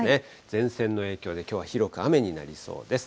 前線の影響で、きょうは広く雨になりそうです。